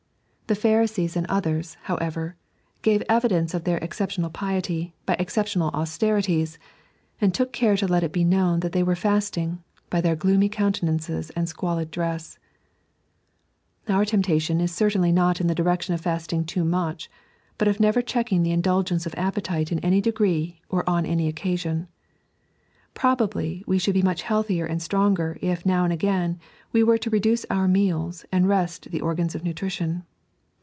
The I^arisees and others, however, 3.n.iized by Google 104 "The Inwabdhess op Teub Reugion." gave evidence of their exceptional piety by exceptional austerities, and took care to let it bo known that they were fasting, by their gloomy countenances and squalid Our temptation is certainly not in the directi<m of fasting too much, bat of never checking the indulgence of appetite in any d^ree or on any occasion. Probably we should be much healthier and stronger if now and again we were to reduce our meals and rest the oigans of nutrition.